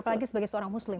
apalagi sebagai seorang muslim